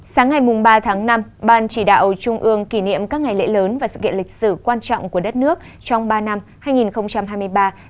sáng ngày ba tháng năm ban chỉ đạo trung ương kỷ niệm các ngày lễ lớn và sự kiện lịch sử quan trọng của đất nước trong ba năm hai nghìn hai mươi ba hai nghìn hai mươi năm